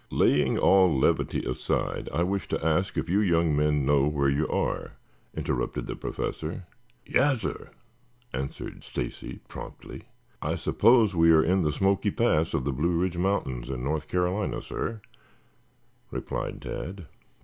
"Laying all levity aside, I wish to ask if you young men know where you are," interrupted the Professor. "Yassir," answered Stacy promptly. "I suppose we are in the Smoky Pass of the Blue Ridge Mountains in North Carolina, sir," replied Tad.